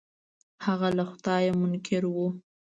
هغه له خدايه منکر و.